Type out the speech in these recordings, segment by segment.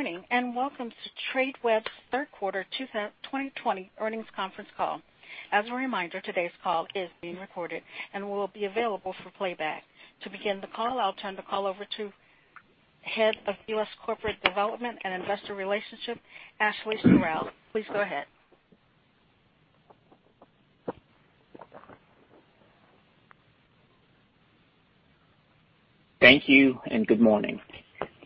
Good morning, and Welcome to Tradeweb's third quarter 2020 earnings conference call. As a reminder, today's call is being recorded and will be available for playback. To begin the call, I'll turn the call over to Head of U.S. Corporate Development and Investor Relationship, Ashley Serrao. Please go ahead. Thank you, and good morning.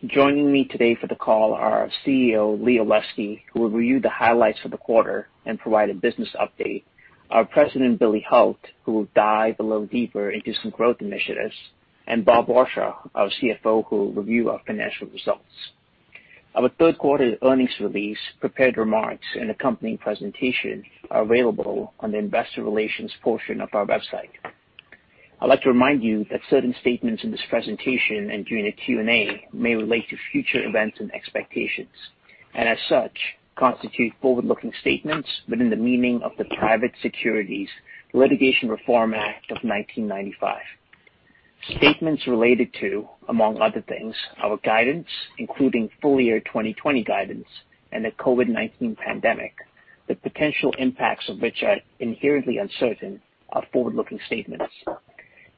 Joining me today for the call are our CEO, Lee Olesky, who will review the highlights for the quarter and provide a business update, our president, Billy Hult, who will dive a little deeper into some growth initiatives, and Bob Warshaw, our CFO, who will review our financial results. Our third quarter earnings release, prepared remarks, and accompanying presentation are available on the investor relations portion of our website. I'd like to remind you that certain statements in this presentation and during the Q&A may relate to future events and expectations, and as such, constitute forward-looking statements within the meaning of the Private Securities Litigation Reform Act of 1995. Statements related to, among other things, our guidance, including full-year 2020 guidance and the COVID-19 pandemic, the potential impacts of which are inherently uncertain, are forward-looking statements.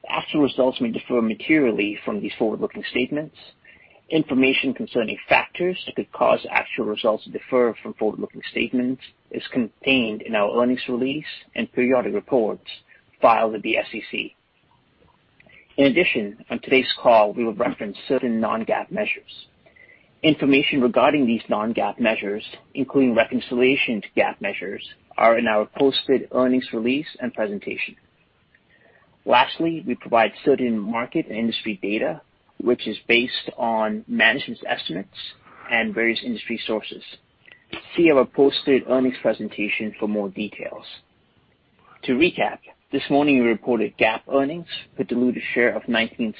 Actual results may differ materially from these forward-looking statements. Information concerning factors that could cause actual results to differ from forward-looking statements is contained in our earnings release and periodic reports filed with the SEC. In addition, on today's call, we will reference certain non-GAAP measures. Information regarding these non-GAAP measures, including reconciliation to GAAP measures, are in our posted earnings release and presentation. Lastly, we provide certain market and industry data, which is based on management's estimates and various industry sources. See our posted earnings presentation for more details. To recap, this morning, we reported GAAP earnings per diluted share of $0.19,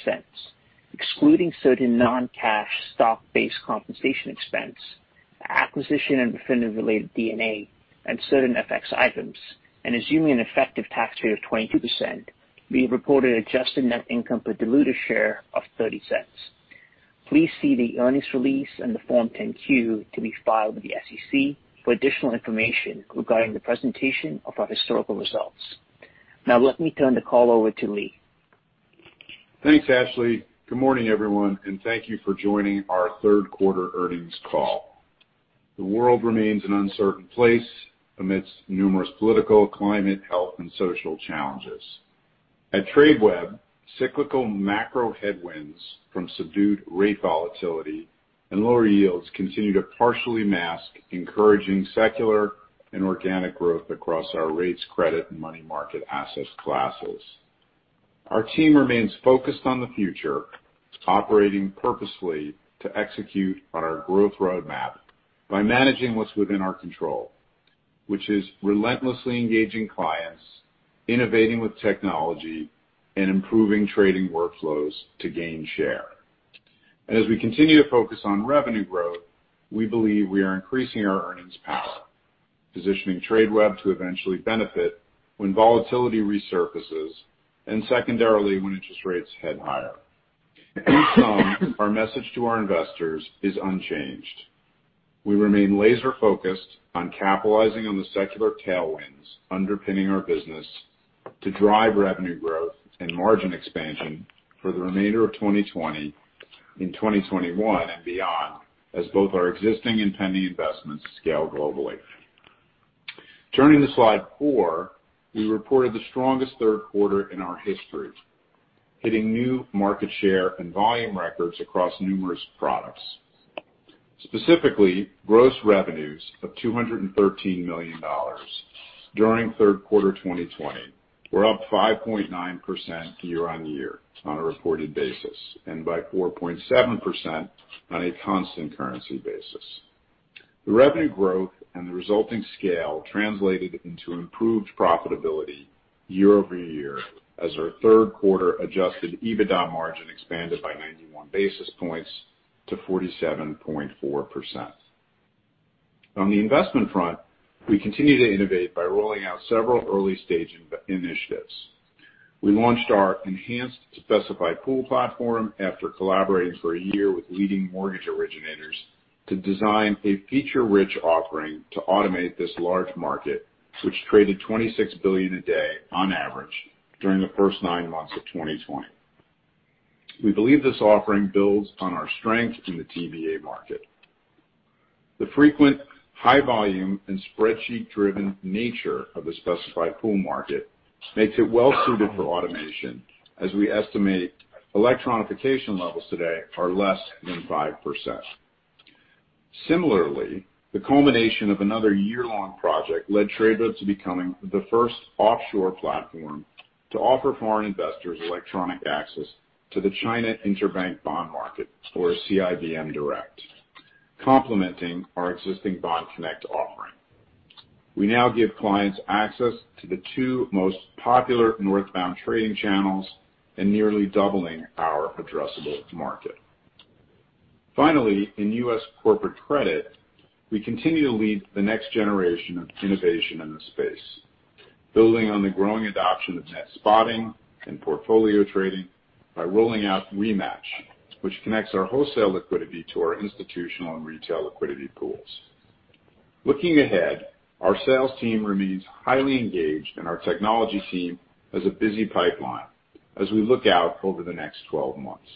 excluding certain non-cash stock-based compensation expense, acquisition and definitive-related D&A, and certain FX items, and assuming an effective tax rate of 22%, we have reported adjusted net income per diluted share of $0.30. Please see the earnings release and the Form 10-Q to be filed with the SEC for additional information regarding the presentation of our historical results. Now, let me turn the call over to Lee. Thanks, Ashley. Good morning, everyone, and thank you for joining our third quarter earnings call. The world remains an uncertain place amidst numerous political, climate, health, and social challenges. At Tradeweb, cyclical macro headwinds from subdued rate volatility and lower yields continue to partially mask encouraging secular and organic growth across our rates, credit, and money market assets classes. Our team remains focused on the future, operating purposefully to execute on our growth roadmap by managing what's within our control, which is relentlessly engaging clients, innovating with technology, and improving trading workflows to gain share. As we continue to focus on revenue growth, we believe we are increasing our earnings power, positioning Tradeweb to eventually benefit when volatility resurfaces, and secondarily, when interest rates head higher. In sum, our message to our investors is unchanged. We remain laser-focused on capitalizing on the secular tailwinds underpinning our business to drive revenue growth and margin expansion for the remainder of 2020, in 2021 and beyond, as both our existing and pending investments scale globally. Turning to slide four, we reported the strongest third quarter in our history, hitting new market share and volume records across numerous products. Specifically, gross revenues of $213 million during third quarter 2020 were up 5.9% year-on-year on a reported basis, and by 4.7% on a constant currency basis. The revenue growth and the resulting scale translated into improved profitability year-over-year as our third quarter adjusted EBITDA margin expanded by 91 basis points to 47.4%. On the investment front, we continue to innovate by rolling out several early-stage initiatives. We launched our enhanced specified pool platform after collaborating for a year with leading mortgage originators to design a feature-rich offering to automate this large market, which traded $26 billion a day on average during the first nine months of 2020. We believe this offering builds on our strength in the TBA market. The frequent high volume and spreadsheet-driven nature of the specified pool market makes it well-suited for automation, as we estimate electronification levels today are less than 5%. Similarly, the culmination of another year-long project led Tradeweb to becoming the first offshore platform to offer foreign investors electronic access to the China Interbank Bond Market, or CIBM Direct, complementing our existing Bond Connect offering. We now give clients access to the two most popular northbound trading channels and nearly doubling our addressable market. Finally, in U.S. corporate credit, we continue to lead the next generation of innovation in this space. Building on the growing adoption of net spotting and portfolio trading by rolling out ReMatch, which connects our wholesale liquidity to our institutional and retail liquidity pools. Looking ahead, our sales team remains highly engaged, and our technology team has a busy pipeline as we look out over the next 12 months.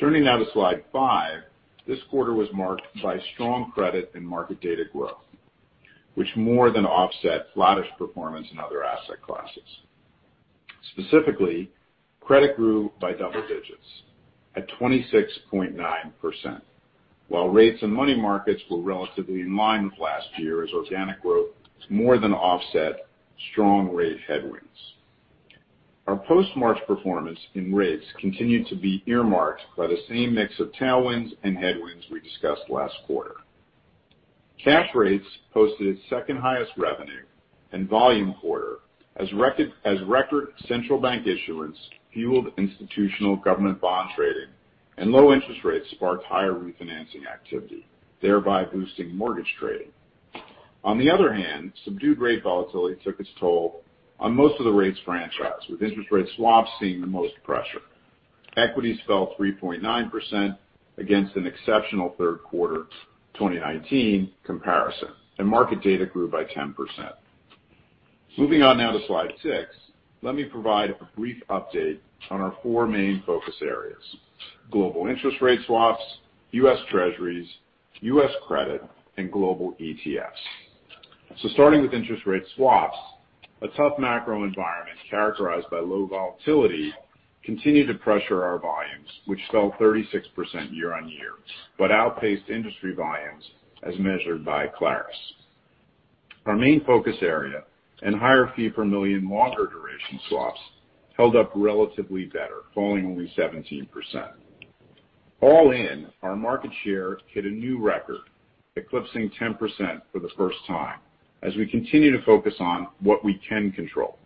Turning now to slide five. This quarter was marked by strong credit and market data growth, which more than offset flattish performance in other asset classes. Specifically, credit grew by double digits at 26.9%, while rates and money markets were relatively in line with last year as organic growth more than offset strong rate headwinds. Our post-March performance in rates continued to be earmarked by the same mix of tailwinds and headwinds we discussed last quarter. Cash rates posted its second highest revenue and volume quarter as record central bank issuance fueled institutional government bond trading, and low interest rates sparked higher refinancing activity, thereby boosting mortgage trading. On the other hand, subdued rate volatility took its toll on most of the rates franchise, with interest rate swaps seeing the most pressure. Equities fell 3.9% against an exceptional third quarter 2019 comparison. Market data grew by 10%. Moving on now to slide six, let me provide a brief update on our four main focus areas. Global interest rate swaps, U.S. Treasuries, U.S. credit, and global ETFs. Starting with interest rate swaps, a tough macro environment characterized by low volatility continued to pressure our volumes, which fell 36% year-on-year, but outpaced industry volumes as measured by Clarus. Our main focus area and higher fee per million longer duration swaps held up relatively better, falling only 17%. All in, our market share hit a new record, eclipsing 10% for the first time as we continue to focus on what we can control,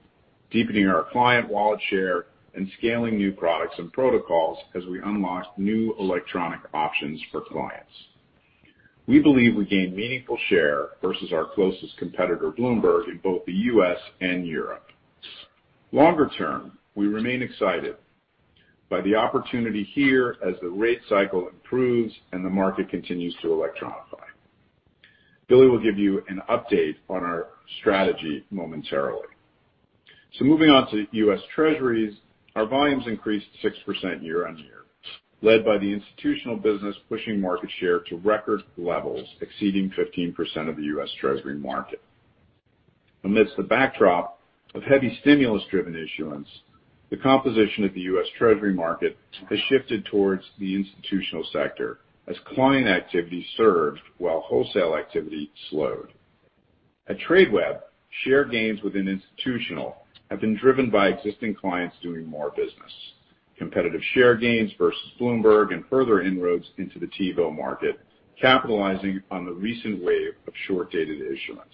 deepening our client wallet share and scaling new products and protocols as we unlock new electronic options for clients. We believe we gained meaningful share versus our closest competitor, Bloomberg, in both the U.S. and Europe. Longer term, we remain excited by the opportunity here as the rate cycle improves and the market continues to electrify. Billy will give you an update on our strategy momentarily. Moving on to U.S. Treasuries, our volumes increased 6% year-on-year, led by the institutional business pushing market share to record levels exceeding 15% of the U.S. Treasury market. Amidst the backdrop of heavy stimulus-driven issuance, the composition of the U.S. Treasury market has shifted towards the institutional sector as client activity surged while wholesale activity slowed. At Tradeweb, share gains within institutional have been driven by existing clients doing more business, competitive share gains versus Bloomberg, and further inroads into the T-Bill market, capitalizing on the recent wave of short-dated issuance.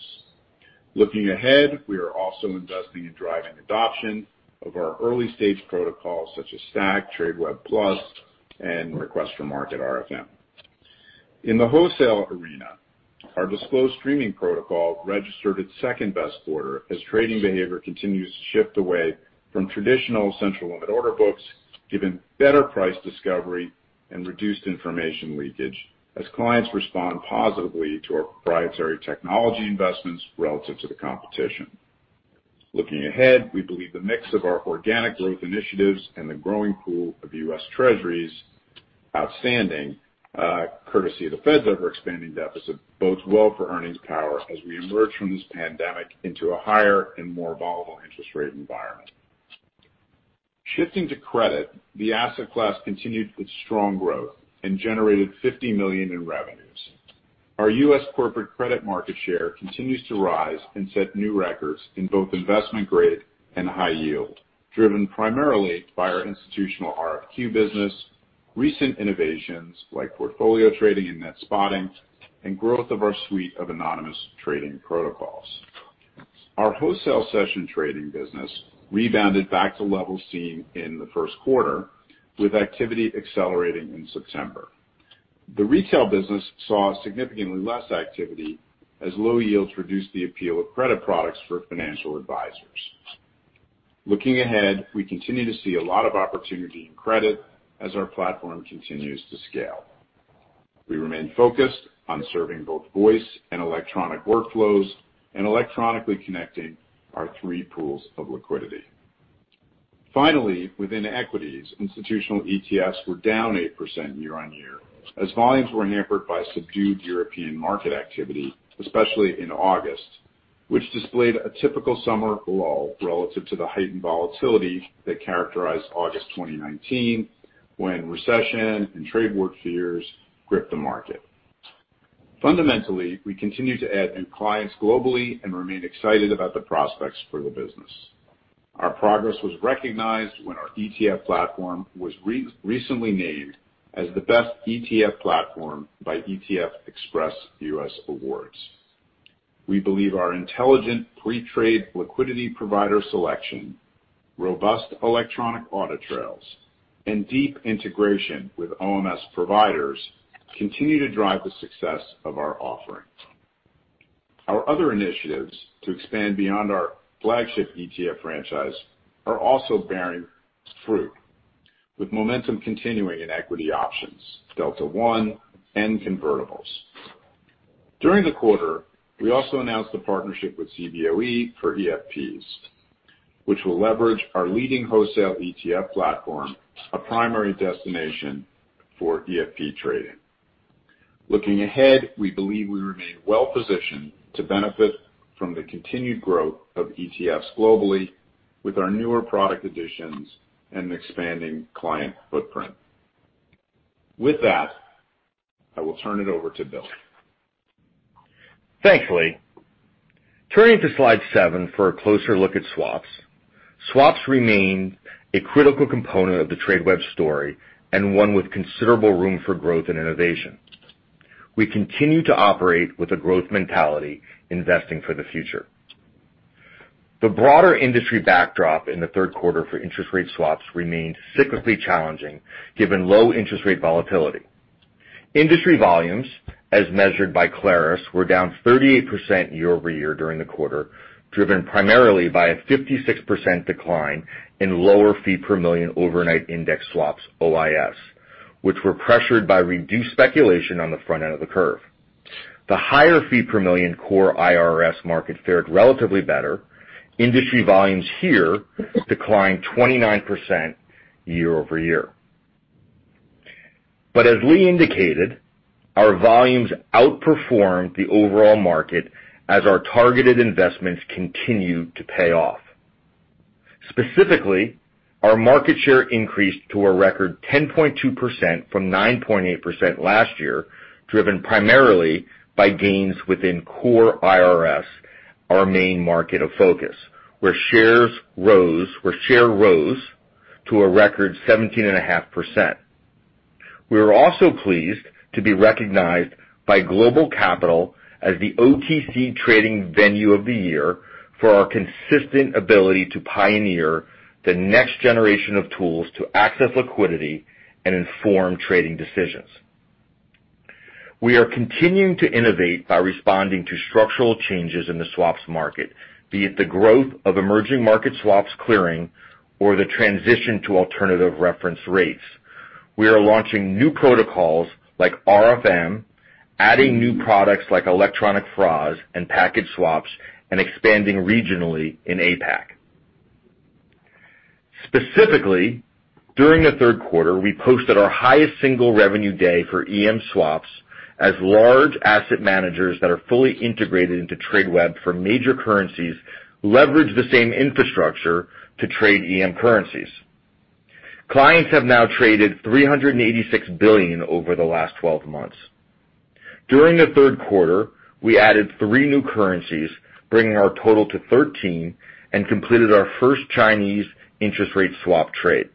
Looking ahead, we are also investing in driving adoption of our early-stage protocols such as STACK, Tradeweb Plus, and Request for Market, RFM. In the wholesale arena, our disclosed streaming protocol registered its second-best quarter as trading behavior continues to shift away from traditional central limit order books, given better price discovery and reduced information leakage as clients respond positively to our proprietary technology investments relative to the competition. Looking ahead, we believe the mix of our organic growth initiatives and the growing pool of U.S. Treasuries outstanding, courtesy of the Fed's ever-expanding deficit, bodes well for earnings power as we emerge from this pandemic into a higher and more volatile interest rate environment. Shifting to credit, the asset class continued its strong growth and generated $50 million in revenues. Our U.S. corporate credit market share continues to rise and set new records in both investment grade and high yield, driven primarily by our institutional RFQ business, recent innovations like portfolio trading and net spotting, and growth of our suite of anonymous trading protocols. Our wholesale session trading business rebounded back to levels seen in the first quarter, with activity accelerating in September. The retail business saw significantly less activity as low yields reduced the appeal of credit products for financial advisors. Looking ahead, we continue to see a lot of opportunity in credit as our platform continues to scale. We remain focused on serving both voice and electronic workflows and electronically connecting our three pools of liquidity. Finally, within equities, institutional ETFs were down 8% year-on-year as volumes were hampered by subdued European market activity, especially in August, which displayed a typical summer lull relative to the heightened volatility that characterized August 2019 when recession and trade war fears gripped the market. Fundamentally, we continue to add new clients globally and remain excited about the prospects for the business. Our progress was recognized when our ETF platform was recently named as the best ETF platform by ETF Express US Awards. We believe our intelligent pre-trade liquidity provider selection, robust electronic audit trails, and deep integration with OMS providers continue to drive the success of our offering. Our other initiatives to expand beyond our flagship ETF franchise are also bearing fruit, with momentum continuing in equity options, Delta One and convertibles. During the quarter, we also announced a partnership with Cboe for EFPs, which will leverage our leading wholesale ETF platform, a primary destination for EFP trading. Looking ahead, we believe we remain well-positioned to benefit from the continued growth of ETFs globally with our newer product additions and expanding client footprint. With that, I will turn it over to Billy. Thanks, Lee. Turning to slide seven for a closer look at swaps. Swaps remain a critical component of the Tradeweb story and one with considerable room for growth and innovation. We continue to operate with a growth mentality, investing for the future. The broader industry backdrop in the third quarter for interest rate swaps remained significantly challenging given low interest rate volatility. Industry volumes, as measured by Clarus, were down 38% year-over-year during the quarter, driven primarily by a 56% decline in lower fee per million overnight index swaps, OIS, which were pressured by reduced speculation on the front end of the curve. The higher fee per million core IRS market fared relatively better. Industry volumes here declined 29% year-over-year. As Lee indicated, our volumes outperformed the overall market as our targeted investments continued to pay off. Specifically, our market share increased to a record 10.2% from 9.8% last year, driven primarily by gains within core IRS, our main market of focus, where share rose to a record 17.5%. We were also pleased to be recognized by GlobalCapital as the OTC Trading Venue of the Year for our consistent ability to pioneer the next generation of tools to access liquidity and inform trading decisions. We are continuing to innovate by responding to structural changes in the swaps market, be it the growth of emerging market swaps clearing or the transition to alternative reference rates. We are launching new protocols like RFM, adding new products like electronic FRAs and package swaps, and expanding regionally in APAC. Specifically, during the third quarter, we posted our highest single revenue day for EM swaps as large asset managers that are fully integrated into Tradeweb for major currencies leverage the same infrastructure to trade EM currencies. Clients have now traded $386 billion over the last 12 months. During the third quarter, we added three new currencies, bringing our total to 13 and completed our first Chinese interest rate swap trade.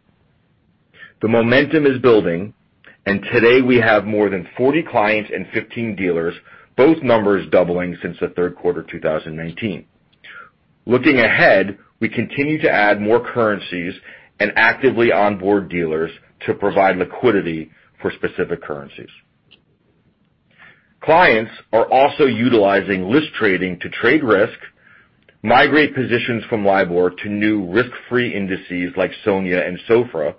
Today we have more than 40 clients and 15 dealers, both numbers doubling since the third quarter 2019. Looking ahead, we continue to add more currencies and actively onboard dealers to provide liquidity for specific currencies. Clients are also utilizing list trading to trade risk, migrate positions from LIBOR to new risk-free indices like SONIA and SOFR,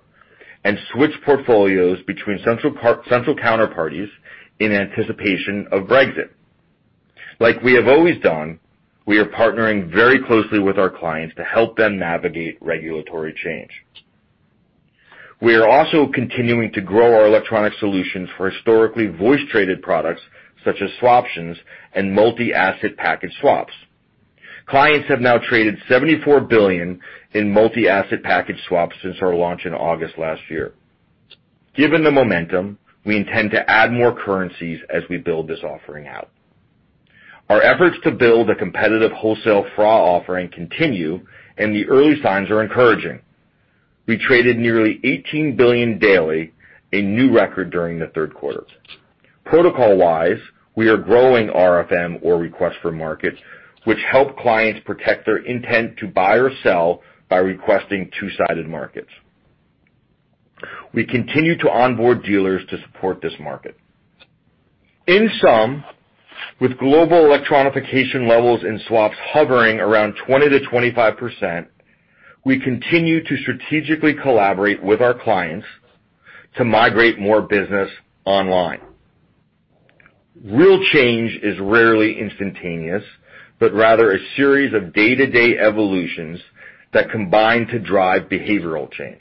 and switch portfolios between central counterparties in anticipation of Brexit. Like we have always done, we are partnering very closely with our clients to help them navigate regulatory change. We are also continuing to grow our electronic solutions for historically voice-traded products such as swaptions and multi-asset package swaps. Clients have now traded $74 billion in multi-asset package swaps since our launch in August last year. Given the momentum, we intend to add more currencies as we build this offering out. Our efforts to build a competitive wholesale FRA offering continue, and the early signs are encouraging. We traded nearly $18 billion daily, a new record during the third quarter. Protocol-wise, we are growing RFM or request for markets, which help clients protect their intent to buy or sell by requesting two-sided markets. We continue to onboard dealers to support this market. In sum, with global electronification levels and swaps hovering around 20%-25%, we continue to strategically collaborate with our clients to migrate more business online. Real change is rarely instantaneous, but rather a series of day-to-day evolutions that combine to drive behavioral change.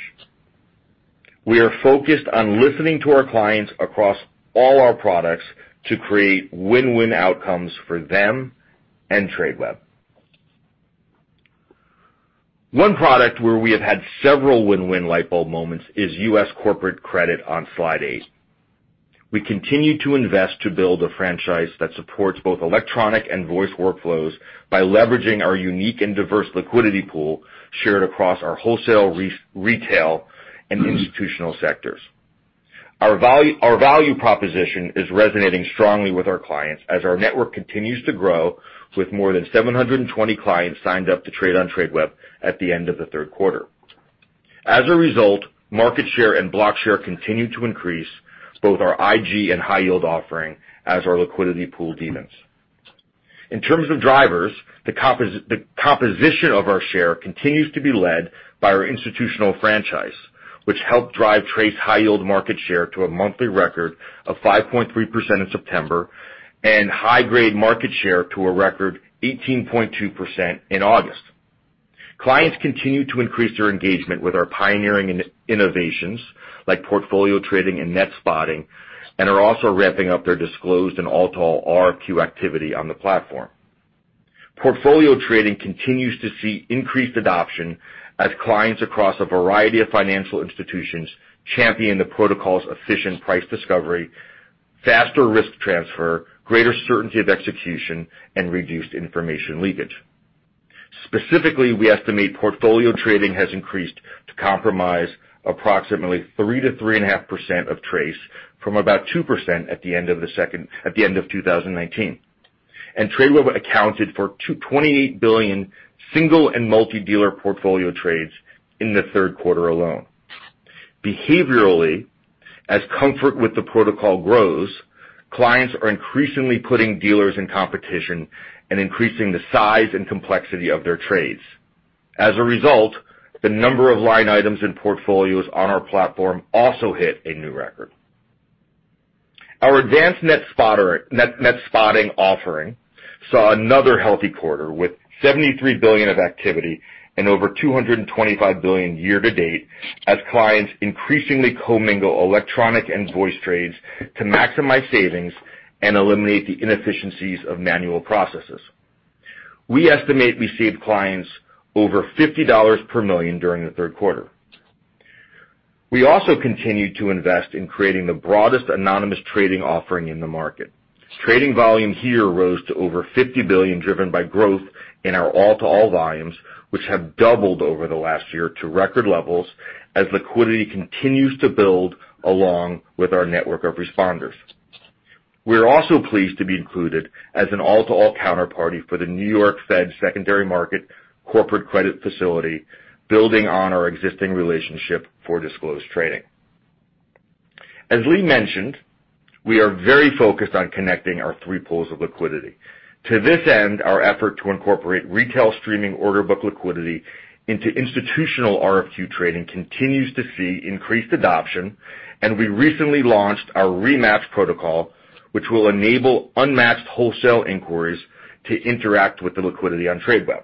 We are focused on listening to our clients across all our products to create win-win outcomes for them and Tradeweb. One product where we have had several win-win light bulb moments is U.S. corporate credit on slide eight. We continue to invest to build a franchise that supports both electronic and voice workflows by leveraging our unique and diverse liquidity pool shared across our wholesale, retail, and institutional sectors. Our value proposition is resonating strongly with our clients as our network continues to grow with more than 720 clients signed up to trade on Tradeweb at the end of the third quarter. As a result, market share and block share continue to increase, both our IG and high yield offering, as our liquidity pool deepens. In terms of drivers, the composition of our share continues to be led by our institutional franchise, which helped drive TRACE high yield market share to a monthly record of 5.3% in September, and high-grade market share to a record 18.2% in August. Clients continue to increase their engagement with our pioneering innovations like portfolio trading and net spotting, and are also ramping up their disclosed and all-to-all RFQ activity on the platform. Portfolio trading continues to see increased adoption as clients across a variety of financial institutions champion the protocol's efficient price discovery, faster risk transfer, greater certainty of execution, and reduced information leakage. Specifically, we estimate portfolio trading has increased to comprise approximately 3%-3.5% of TRACE from about 2% at the end of 2019. Tradeweb accounted for $28 billion single and multi-dealer portfolio trades in the third quarter alone. Behaviorally, as comfort with the protocol grows, clients are increasingly putting dealers in competition and increasing the size and complexity of their trades. As a result, the number of line items and portfolios on our platform also hit a new record. Our advanced net spotting offering saw another healthy quarter with $73 billion of activity and over $225 billion year-to-date, as clients increasingly co-mingle electronic and voice trades to maximize savings and eliminate the inefficiencies of manual processes. We estimate we saved clients over $50 per million during the third quarter. We also continued to invest in creating the broadest anonymous trading offering in the market. Trading volume here rose to over $50 billion, driven by growth in our all-to-all volumes, which have doubled over the last year to record levels as liquidity continues to build along with our network of responders. We're also pleased to be included as an all-to-all counterparty for the New York Fed Secondary Market Corporate Credit Facility, building on our existing relationship for disclosed trading. As Lee mentioned, we are very focused on connecting our 3 pools of liquidity. To this end, our effort to incorporate retail streaming order book liquidity into institutional RFQ trading continues to see increased adoption, and we recently launched our ReMatch protocol, which will enable unmatched wholesale inquiries to interact with the liquidity on Tradeweb.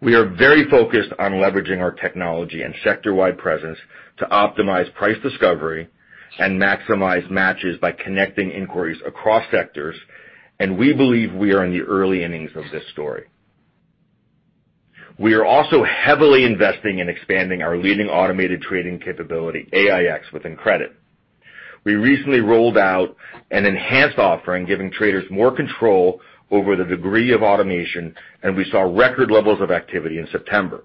We are very focused on leveraging our technology and sector-wide presence to optimize price discovery and maximize matches by connecting inquiries across sectors, and we believe we are in the early innings of this story. We are also heavily investing in expanding our leading automated trading capability, AiEX, within credit. We recently rolled out an enhanced offering, giving traders more control over the degree of automation, and we saw record levels of activity in September.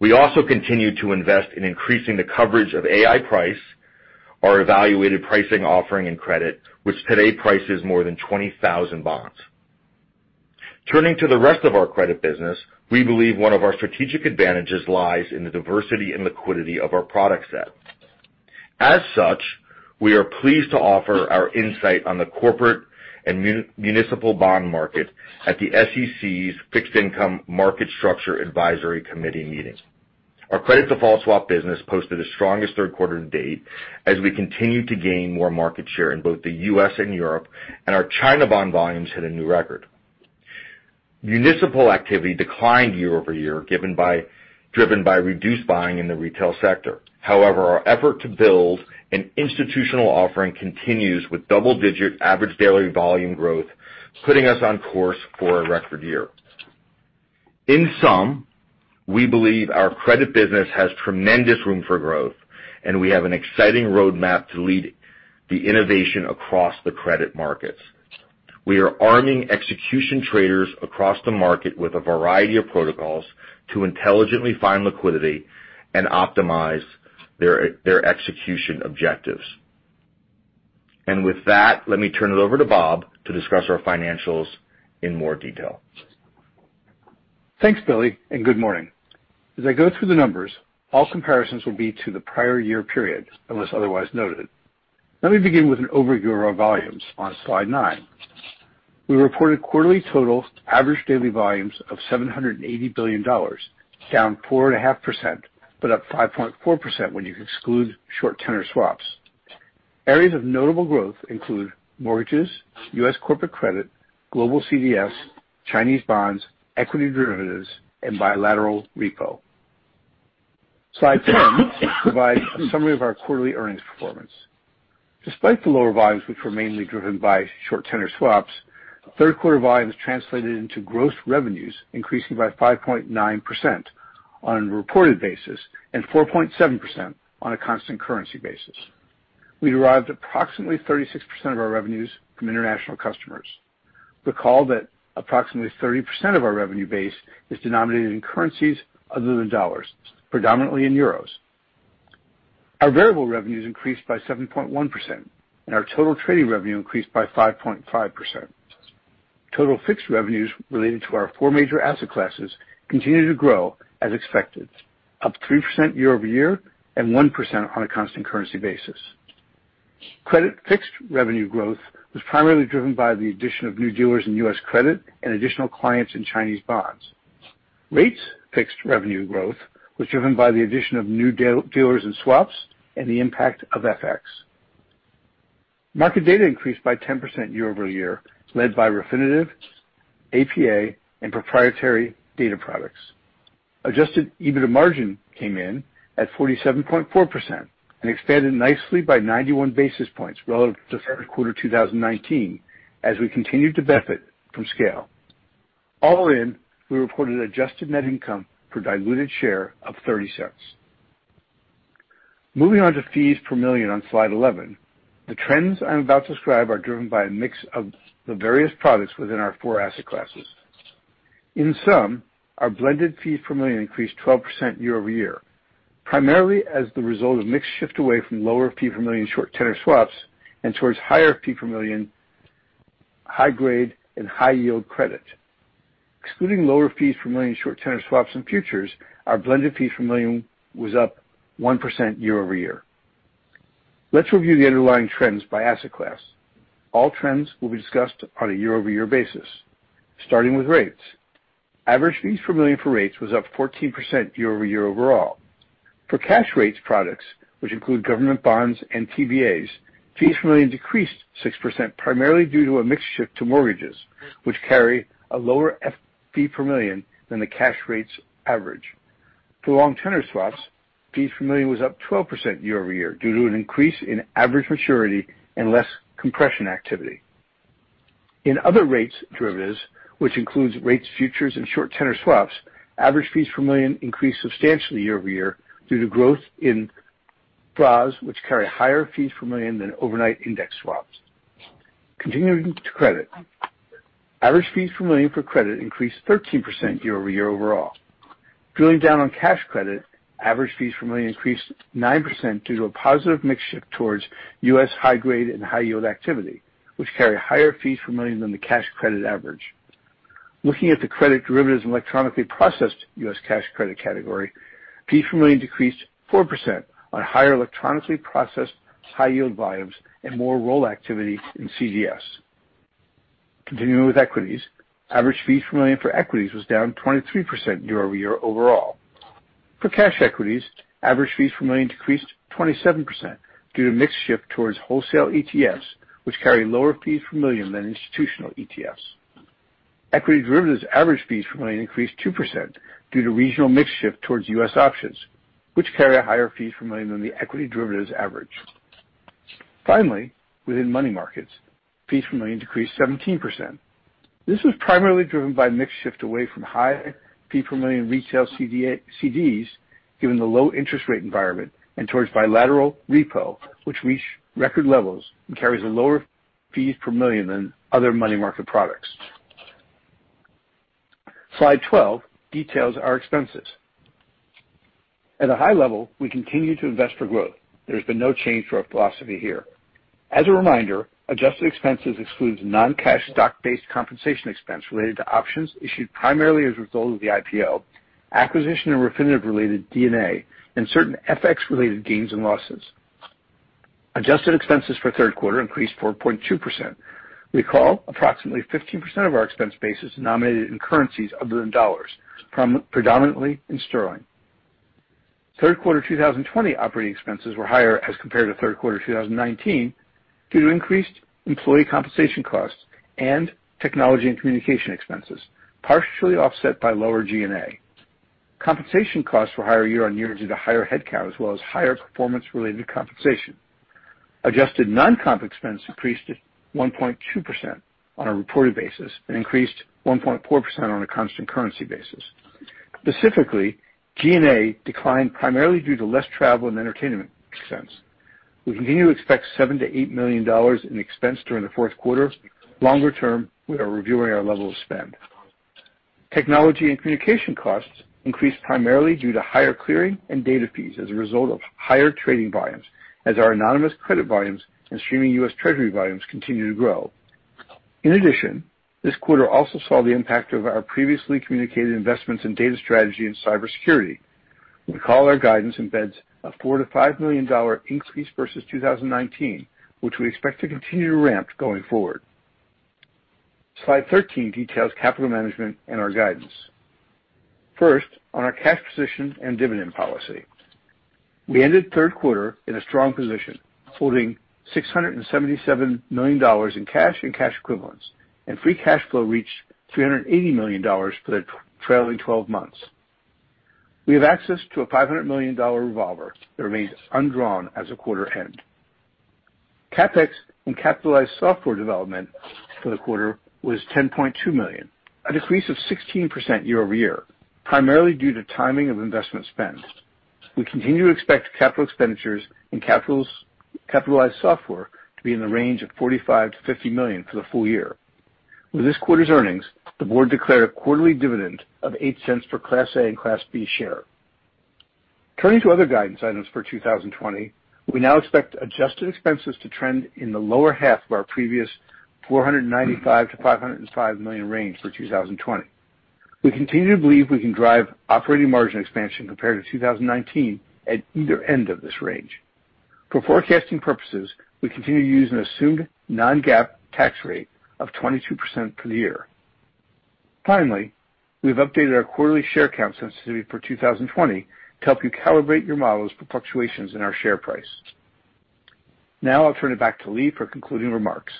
We also continued to invest in increasing the coverage of Ai-Price, our evaluated pricing offering and credit, which today prices more than 20,000 bonds. Turning to the rest of our credit business, we believe one of our strategic advantages lies in the diversity and liquidity of our product set. As such, we are pleased to offer our insight on the corporate and municipal bond market at the SEC's Fixed Income Market Structure Advisory Committee meeting. Our credit default swap business posted its strongest third quarter to date, as we continue to gain more market share in both the U.S. and Europe, and our China bond volumes hit a new record. Municipal activity declined year-over-year, driven by reduced buying in the retail sector. Our effort to build an institutional offering continues with double-digit average daily volume growth, putting us on course for a record year. We believe our credit business has tremendous room for growth, and we have an exciting roadmap to lead the innovation across the credit markets. We are arming execution traders across the market with a variety of protocols to intelligently find liquidity and optimize their execution objectives. With that, let me turn it over to Bob to discuss our financials in more detail. Thanks, Billy, and good morning. As I go through the numbers, all comparisons will be to the prior year period, unless otherwise noted. Let me begin with an overview of our volumes on slide nine. We reported quarterly total average daily volumes of $780 billion, down 4.5%, but up 5.4% when you exclude short tenor swaps. Areas of notable growth include mortgages, U.S. corporate credit, global CDS, Chinese bonds, equity derivatives, and bilateral repo. Slide 10 provides a summary of our quarterly earnings performance. Despite the lower volumes, which were mainly driven by short tenor swaps, third quarter volumes translated into gross revenues increasing by 5.9% on a reported basis, and 4.7% on a constant currency basis. We derived approximately 36% of our revenues from international customers. Recall that approximately 30% of our revenue base is denominated in currencies other than dollars, predominantly in euros. Our variable revenues increased by 7.1%. Our total trading revenue increased by 5.5%. Total fixed revenues related to our four major asset classes continued to grow as expected, up 3% year-over-year and 1% on a constant currency basis. Credit fixed revenue growth was primarily driven by the addition of new dealers in U.S. credit and additional clients in Chinese bonds. Rates fixed revenue growth was driven by the addition of new dealers and swaps and the impact of FX. Market data increased by 10% year-over-year, led by Refinitiv, APA, and proprietary data products. Adjusted EBITDA margin came in at 47.4% and expanded nicely by 91 basis points relative to third quarter 2019 as we continued to benefit from scale. All in, we reported adjusted net income per diluted share of $0.30. Moving on to fees per million on slide 11. The trends I'm about to describe are driven by a mix of the various products within our four asset classes. In sum, our blended fees per million increased 12% year-over-year, primarily as the result of mix shift away from lower fee per million short tenor swaps and towards higher fee per million high grade and high yield credit. Excluding lower fees per million short tenor swaps and futures, our blended fee per million was up 1% year-over-year. Let's review the underlying trends by asset class. All trends will be discussed on a year-over-year basis, starting with rates. Average fees per million for rates was up 14% year-over-year overall. For cash rates products, which include government bonds and TBAs, fees per million decreased 6%, primarily due to a mix shift to mortgages, which carry a lower fee per million than the cash rates average. For long tenor swaps, fees per million was up 12% year-over-year due to an increase in average maturity and less compression activity. In other rates derivatives, which includes rates, futures, and short tenor swaps, average fees per million increased substantially year-over-year due to growth in FRAs, which carry higher fees per million than overnight index swaps. Continuing to credit. Average fees per million for credit increased 13% year-over-year overall. Drilling down on cash credit, average fees per million increased 9% due to a positive mix shift towards U.S. high grade and high yield activity, which carry higher fees per million than the cash credit average. Looking at the credit derivatives and electronically processed U.S. cash credit category, fees per million decreased 4% on higher electronically processed high yield volumes and more roll activity in CDS. Continuing with equities, average fees per million for equities was down 23% year-over-year overall. For cash equities, average fees per million decreased 27% due to mix shift towards wholesale ETFs, which carry lower fees per million than institutional ETFs. Equity derivatives average fees per million increased 2% due to regional mix shift towards U.S. options, which carry a higher fees per million than the equity derivatives average. Finally, within money markets, fees per million decreased 17%. This was primarily driven by a mix shift away from high fee per million retail CDs, given the low interest rate environment, and towards bilateral repo, which reached record levels and carries a lower fees per million than other money market products. Slide 12 details our expenses. At a high level, we continue to invest for growth. There's been no change to our philosophy here. As a reminder, adjusted expenses excludes non-cash stock-based compensation expense related to options issued primarily as a result of the IPO, acquisition and Refinitiv-related D&A, and certain FX-related gains and losses. Adjusted expenses for third quarter increased 4.2%. Recall approximately 15% of our expense base is denominated in currencies other than dollar, predominantly in GBP. Third quarter 2020 operating expenses were higher as compared to third quarter 2019 due to increased employee compensation costs and technology and communication expenses, partially offset by lower G&A. Compensation costs were higher year-over-year due to higher headcount as well as higher performance-related compensation. Adjusted non-comp expense increased 1.2% on a reported basis and increased 1.4% on a constant currency basis. Specifically, G&A declined primarily due to less travel and entertainment expense. We continue to expect $7 million-$8 million in expense during the fourth quarter. Longer term, we are reviewing our level of spend. Technology and communication costs increased primarily due to higher clearing and data fees as a result of higher trading volumes as our anonymous credit volumes and streaming U.S. Treasury volumes continue to grow. This quarter also saw the impact of our previously communicated investments in data strategy and cybersecurity. Recall our guidance embeds a $4 million-$5 million increase versus 2019, which we expect to continue to ramp going forward. Slide 13 details capital management and our guidance. On our cash position and dividend policy. We ended third quarter in a strong position, holding $677 million in cash and cash equivalents, and free cash flow reached $380 million for the trailing 12 months. We have access to a $500 million revolver that remains undrawn as of quarter end. CapEx and capitalized software development for the quarter was $10.2 million, a decrease of 16% year-over-year, primarily due to timing of investment spend. We continue to expect capital expenditures and capitalized software to be in the range of $45 million-$50 million for the full year. With this quarter's earnings, the board declared a quarterly dividend of $0.08 for Class A and Class B share. Turning to other guidance items for 2020, we now expect adjusted expenses to trend in the lower half of our previous $495 million-$505 million range for 2020. We continue to believe we can drive operating margin expansion compared to 2019 at either end of this range. For forecasting purposes, we continue to use an assumed non-GAAP tax rate of 22% for the year. Finally, we've updated our quarterly share count sensitivity for 2020 to help you calibrate your models for fluctuations in our share price. Now I'll turn it back to Lee for concluding remarks.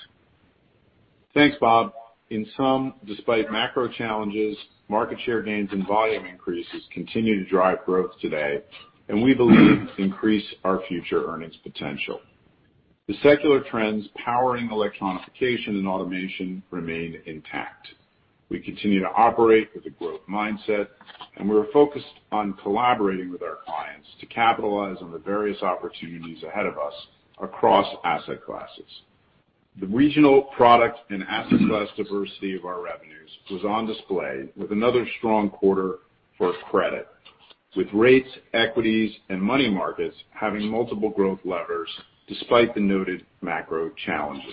Thanks, Bob. In sum, despite macro challenges, market share gains and volume increases continue to drive growth today, and we believe increase our future earnings potential. The secular trends powering electronification and automation remain intact. We continue to operate with a growth mindset, and we're focused on collaborating with our clients to capitalize on the various opportunities ahead of us across asset classes. The regional product and asset class diversity of our revenues was on display with another strong quarter for credit, with rates, equities, and money markets having multiple growth levers despite the noted macro challenges.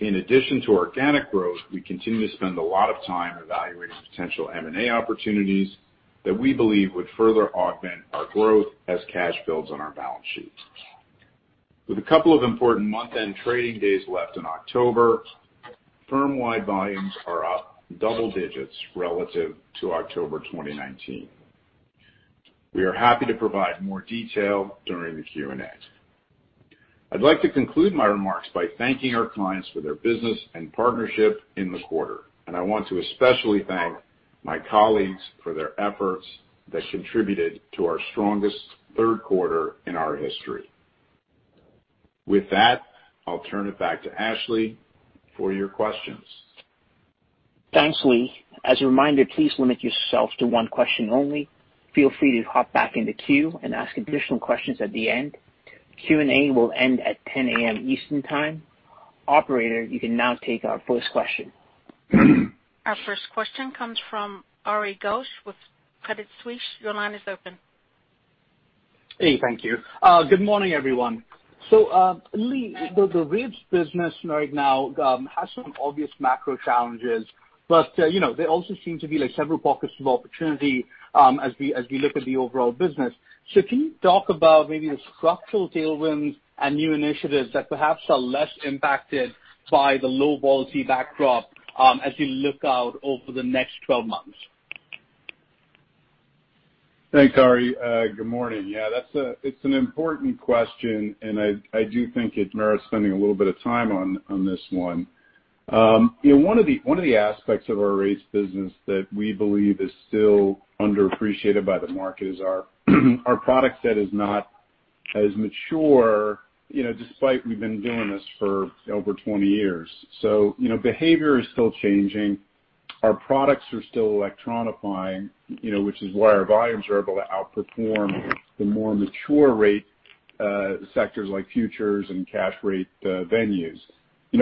In addition to organic growth, we continue to spend a lot of time evaluating potential M&A opportunities that we believe would further augment our growth as cash builds on our balance sheets. With a couple of important month-end trading days left in October, firm-wide volumes are up double digits relative to October 2019. We are happy to provide more detail during the Q&A. I'd like to conclude my remarks by thanking our clients for their business and partnership in the quarter, and I want to especially thank my colleagues for their efforts that contributed to our strongest third quarter in our history. With that, I'll turn it back to Ashley for your questions. Thanks, Lee. As a reminder, please limit yourself to one question only. Feel free to hop back in the queue and ask additional questions at the end. Q&A will end at ten A.M. Eastern time. Operator, you can now take our first question. Our first question comes from Ari Ghosh with Credit Suisse. Your line is open. Hey, thank you. Good morning, everyone. Lee, the rates business right now has some obvious macro challenges. There also seem to be several pockets of opportunity as we look at the overall business. Can you talk about maybe the structural tailwinds and new initiatives that perhaps are less impacted by the low volatility backdrop as you look out over the next 12 months? Thanks, Ari. Good morning. Yeah, it's an important question, and I do think it merits spending a little bit of time on this one. One of the aspects of our rates business that we believe is still underappreciated by the market is our product set is not as mature, despite we've been doing this for over 20 years. Behavior is still changing. Our products are still electronifying, which is why our volumes are able to outperform the more mature rate sectors like futures and cash rate venues.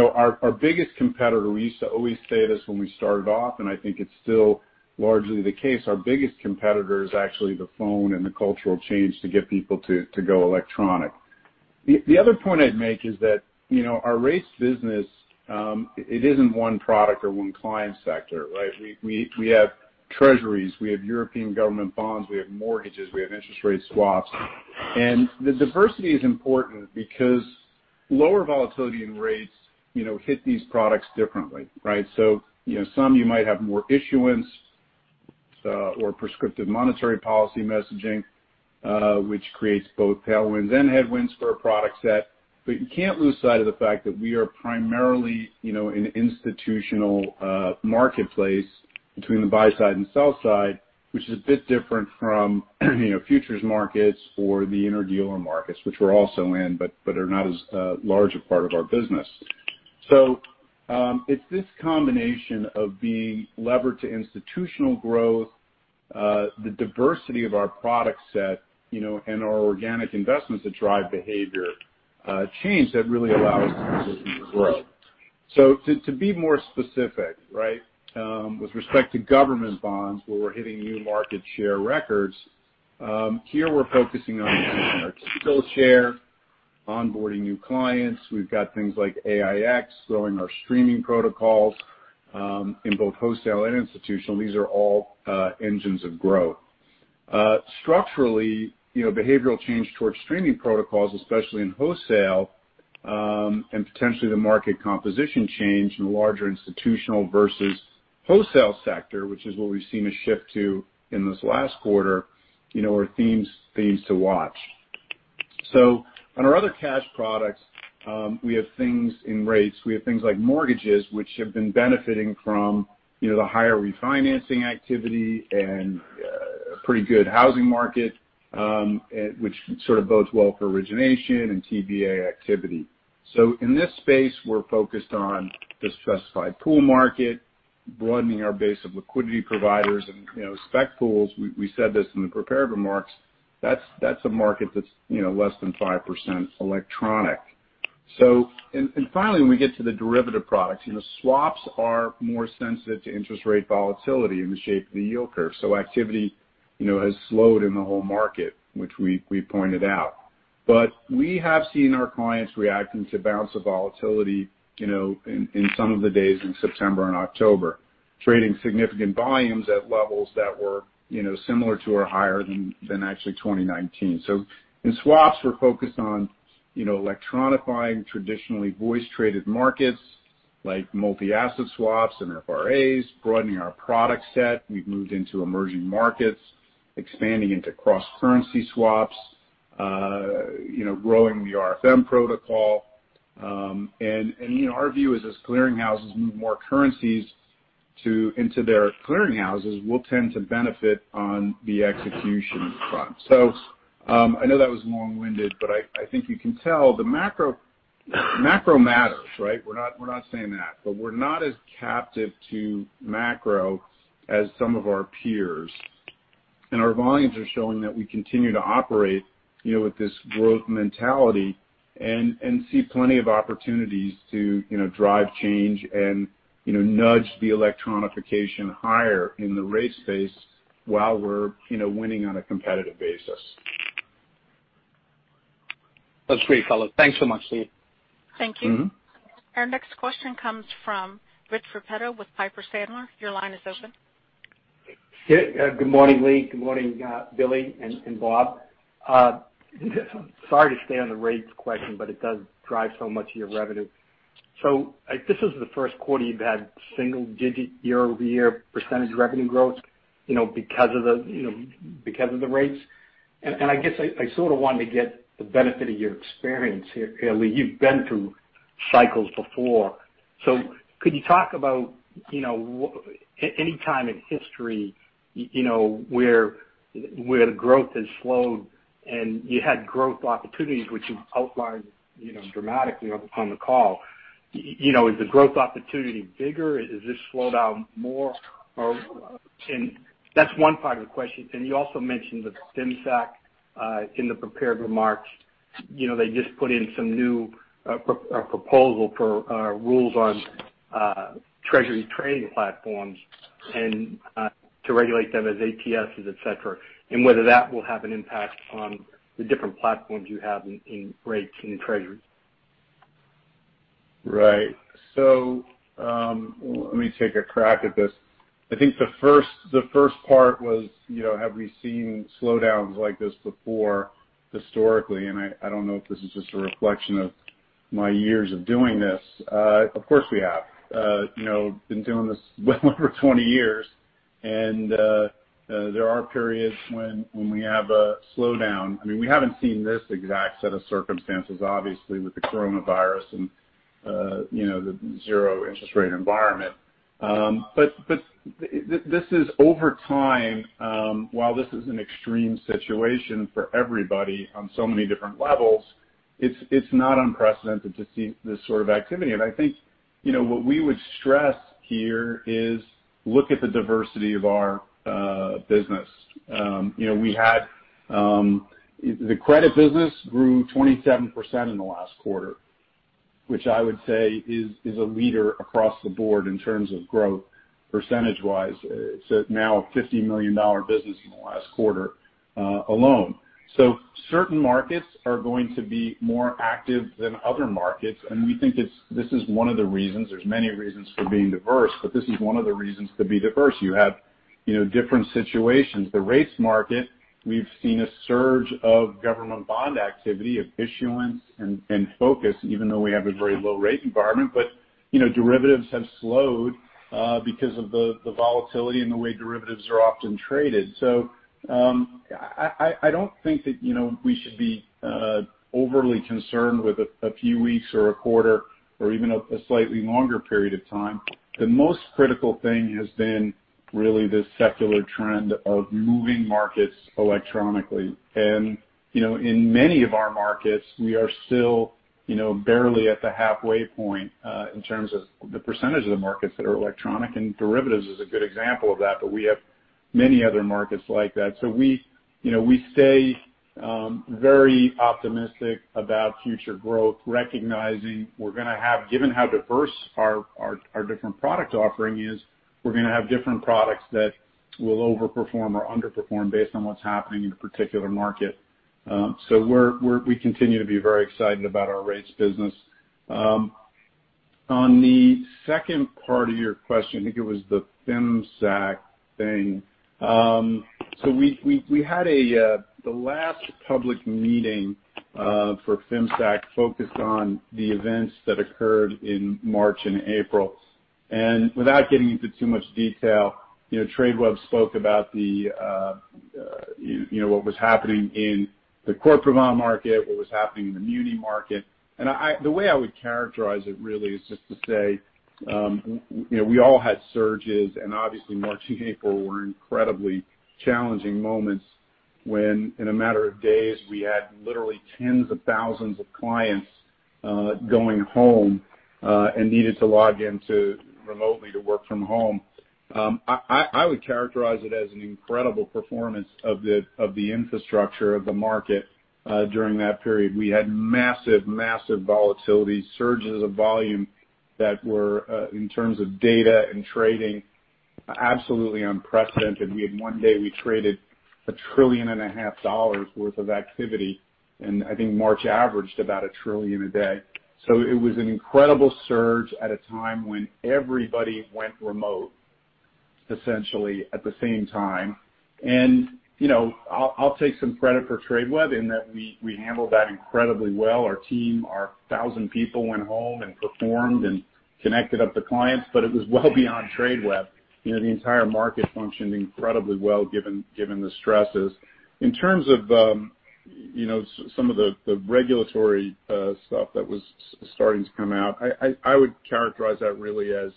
Our biggest competitor, we used to always say this when we started off, and I think it's still largely the case. Our biggest competitor is actually the phone and the cultural change to get people to go electronic. The other point I'd make is that our rates business, it isn't one product or one client sector, right? We have Treasuries, we have European government bonds, we have mortgages, we have interest rate swaps. The diversity is important because lower volatility in rates hit these products differently, right? Some you might have more issuance or prescriptive monetary policy messaging, which creates both tailwinds and headwinds for a product set. You can't lose sight of the fact that we are primarily an institutional marketplace between the buy side and sell side, which is a bit different from futures markets or the inter-dealer markets, which we're also in, but are not as large a part of our business. It's this combination of being levered to institutional growth, the diversity of our product set, and our organic investments that drive behavior change that really allows the business to grow. To be more specific, with respect to government bonds, where we're hitting new market share records, here we're focusing on market share, onboarding new clients. We've got things like AiEX, growing our streaming protocols in both wholesale and institutional. These are all engines of growth. Structurally, behavioral change towards streaming protocols, especially in wholesale, and potentially the market composition change in the larger institutional versus wholesale sector, which is what we've seen a shift to in this last quarter, are themes to watch. On our other cash products, we have things in rates. We have things like mortgages, which have been benefiting from the higher refinancing activity and a pretty good housing market, which sort of bodes well for origination and TBA activity. In this space, we're focused on the specified pool market, broadening our base of liquidity providers and specified pools. We said this in the prepared remarks, that's a market that's less than 5% electronic. Finally, when we get to the derivative products, swaps are more sensitive to interest rate volatility and the shape of the yield curve. Activity has slowed in the whole market, which we pointed out. We have seen our clients reacting to bouts of volatility in some of the days in September and October, trading significant volumes at levels that were similar to or higher than actually 2019. In swaps, we're focused on electronifying traditionally voice-traded markets like multi-asset swaps and e-FRAs, broadening our product set. We've moved into emerging markets, expanding into cross-currency swaps, growing the RFM protocol. Our view is as clearinghouses move more currencies into their clearinghouses, we'll tend to benefit on the execution front. I know that was long-winded, but I think you can tell the macro matters, right? We're not saying that. We're not as captive to macro as some of our peers, and our volumes are showing that we continue to operate with this growth mentality and see plenty of opportunities to drive change and nudge the electronification higher in the rate space while we're winning on a competitive basis. That's great, fella. Thanks so much, Lee. Thank you. Our next question comes from Rich Repetto with Piper Sandler. Your line is open. Good morning, Lee. Good morning, Billy and Bob. Sorry to stay on the rates question, but it does drive so much of your revenue. This is the first quarter you've had single-digit year-over-year percentage revenue growth because of the rates. I guess I sort of wanted to get the benefit of your experience here, Lee. You've been through cycles before. Could you talk about any time in history where growth has slowed, and you had growth opportunities which you outlined dramatically on the call. Is the growth opportunity bigger? Is this slowdown more or-- and that's one part of the question. You also mentioned the FIMSAC in the prepared remarks. They just put in some new proposal for rules on treasury trading platforms and to regulate them as ATSs, et cetera, and whether that will have an impact on the different platforms you have in rates in treasuries. Right. Let me take a crack at this. I think the first part was have we seen slowdown like this before historically. I don't know if this is just a reflection of my years of doing this. Of course, we have. Been doing this well over 20 years. There are periods when we have a slowdown. I mean, we haven't seen this exact set of circumstances, obviously, with the coronavirus and the zero interest rate environment. This is over time. While this is an extreme situation for everybody on so many different levels, it's not unprecedented to see this sort of activity. I think what we would stress here is look at the diversity of our business. The credit business grew 27% in the last quarter, which I would say is a leader across the board in terms of growth percentage-wise. It's now a $50 million business in the last quarter alone. Certain markets are going to be more active than other markets, and we think this is one of the reasons. There's many reasons for being diverse, but this is one of the reasons to be diverse. You have different situations. The rates market, we've seen a surge of government bond activity, of issuance and focus, even though we have a very low rate environment. Derivatives have slowed because of the volatility and the way derivatives are often traded. I don't think that we should be overly concerned with a few weeks or a quarter or even a slightly longer period of time. The most critical thing has been really this secular trend of moving markets electronically. In many of our markets, we are still barely at the halfway point in terms of the percentage of the markets that are electronic, and derivatives is a good example of that, but we have many other markets like that. We stay very optimistic about future growth, recognizing given how diverse our different product offering is, we're going to have different products that will overperform or underperform based on what's happening in a particular market. We continue to be very excited about our rates business. On the second part of your question, I think it was the FIMSAC thing. We had the last public meeting for FIMSAC focused on the events that occurred in March and April. Without getting into too much detail, Tradeweb spoke about what was happening in the corporate bond market, what was happening in the muni market. The way I would characterize it really is just to say, we all had surges, and obviously March and April were incredibly challenging moments when, in a matter of days, we had literally tens of thousands of clients going home and needed to log in remotely to work from home. I would characterize it as an incredible performance of the infrastructure of the market during that period. We had massive volatility, surges of volume that were, in terms of data and trading, absolutely unprecedented. We had one day we traded a trillion and a half dollars worth of activity, and I think March averaged about $1 trillion a day. It was an incredible surge at a time when everybody went remote, essentially, at the same time. I'll take some credit for Tradeweb in that we handled that incredibly well. Our team, our 1,000 people went home and performed and connected up the clients, but it was well beyond Tradeweb. The entire market functioned incredibly well given the stresses. In terms of some of the regulatory stuff that was starting to come out, I would characterize that really as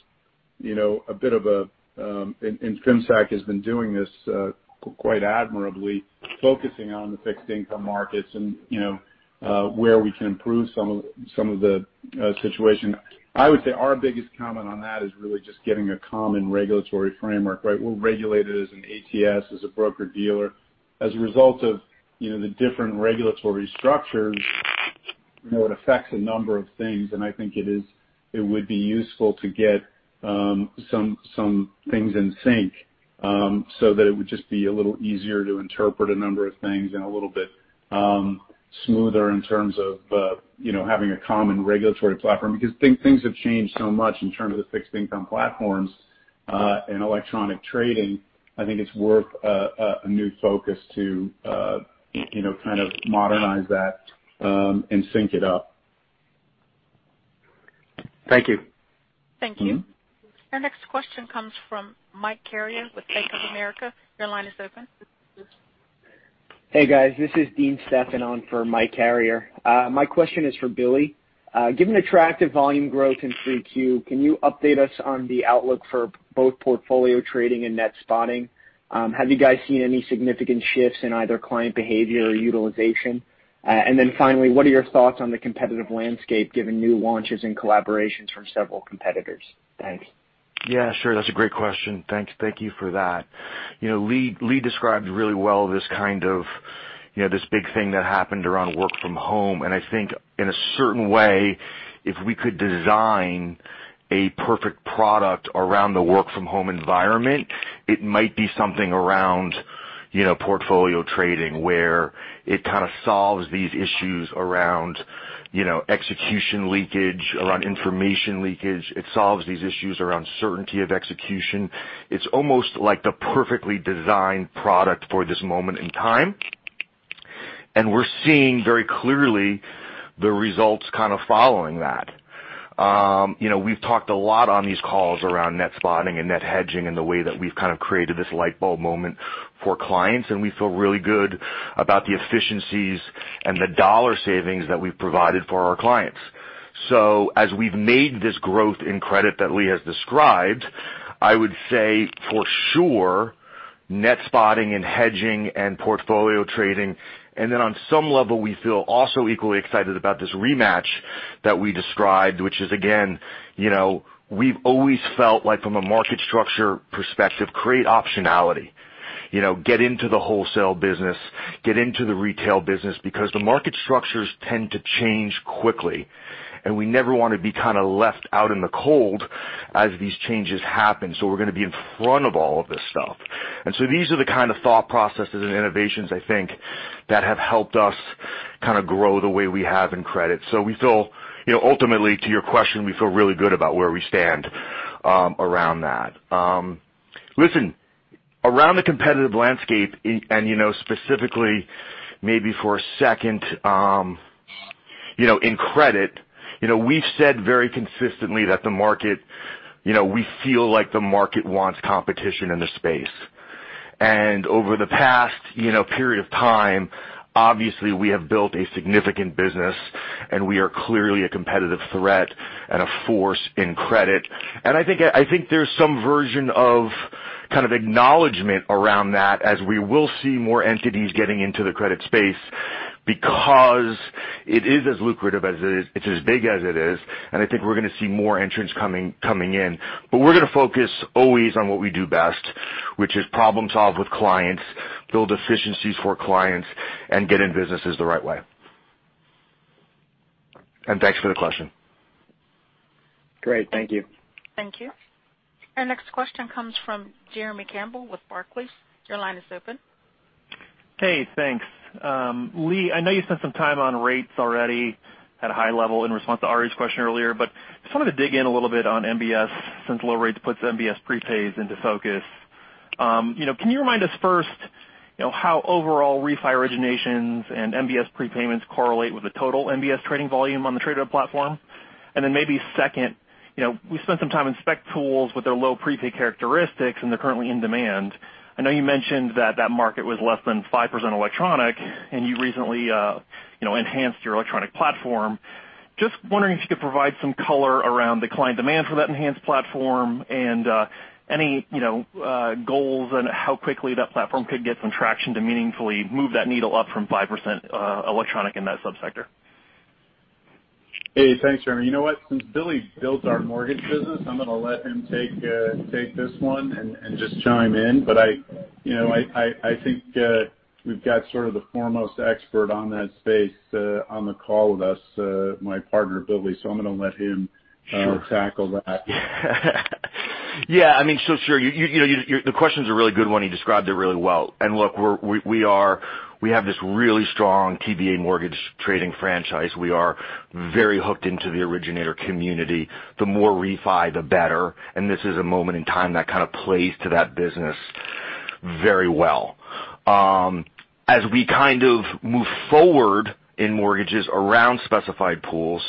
a bit of and FIMSAC has been doing this quite admirably, focusing on the fixed income markets and where we can improve some of the situation. I would say our biggest comment on that is really just getting a common regulatory framework, right? We're regulated as an ATS, as a broker-dealer. As a result of the different regulatory structures, it affects a number of things, and I think it would be useful to get some things in sync so that it would just be a little easier to interpret a number of things and a little bit smoother in terms of having a common regulatory platform. Because things have changed so much in terms of the fixed income platforms and electronic trading. I think it's worth a new focus to kind of modernize that and sync it up. Thank you. Thank you. Our next question comes from Mike Carrier with Bank of America. Your line is open. Hey, guys. This is Dean Stephan on for Mike Carrier. My question is for Billy. Given the attractive volume growth in 3Q, can you update us on the outlook for both portfolio trading and net spotting? Have you guys seen any significant shifts in either client behavior or utilization? Then finally, what are your thoughts on the competitive landscape given new launches and collaborations from several competitors? Thanks. Yeah, sure. That's a great question. Thank you for that. Lee described really well this big thing that happened around work from home. I think in a certain way, if we could design a perfect product around the work from home environment, it might be something around portfolio trading, where it kind of solves these issues around execution leakage, around information leakage. It solves these issues around certainty of execution. It's almost like the perfectly designed product for this moment in time. We're seeing very clearly the results kind of following that. We've talked a lot on these calls around net spotting and net hedging and the way that we've kind of created this light bulb moment for clients, and we feel really good about the efficiencies and the dollar savings that we've provided for our clients. As we've made this growth in credit that Lee has described, I would say for sure, net spotting and hedging and portfolio trading. On some level, we feel also equally excited about this ReMatch that we described, which is again, we've always felt like from a market structure perspective, create optionality. Get into the wholesale business, get into the retail business, because the market structures tend to change quickly, and we never want to be kind of left out in the cold as these changes happen. We're going to be in front of all of this stuff. These are the kind of thought processes and innovations, I think, that have helped us kind of grow the way we have in credit. Ultimately, to your question, we feel really good about where we stand around that. Listen, around the competitive landscape and specifically maybe for a second, in credit, we've said very consistently that we feel like the market wants competition in the space. Over the past period of time, obviously, we have built a significant business, and we are clearly a competitive threat and a force in credit. I think there's some version of kind of acknowledgement around that as we will see more entities getting into the credit space because it is as lucrative as it is. It's as big as it is, and I think we're going to see more entrants coming in. We're going to focus always on what we do best, which is problem solve with clients, build efficiencies for clients, and get in businesses the right way. Thanks for the question. Great. Thank you. Thank you. Our next question comes from Jeremy Campbell with Barclays. Your line is open. Hey, thanks. Lee, I know you spent some time on rates already at a high level in response to Ari's question earlier. Just wanted to dig in a little bit on MBS since low rates puts MBS prepays into focus. Can you remind us first how overall Refi originations and MBS prepayments correlate with the total MBS trading volume on the Tradeweb platform. Maybe second, we spent some time in spec pools with their low prepay characteristics, and they're currently in demand. I know you mentioned that that market was less than 5% electronic, and you recently enhanced your electronic platform. Just wondering if you could provide some color around the client demand for that enhanced platform and any goals and how quickly that platform could get some traction to meaningfully move that needle up from 5% electronic in that sub-sector. Hey, thanks, Jeremy. You know what? Since Billy builds our mortgage business, I'm going to let him take this one and just chime in. I think we've got sort of the foremost expert on that space on the call with us, my partner, Billy. Sure Tackle that. Yeah. Sure. The question's a really good one. He described it really well. Look, we have this really strong TBA mortgage trading franchise. We are very hooked into the originator community. The more refi, the better, and this is a moment in time that kind of plays to that business very well. As we kind of move forward in mortgages around specified pools,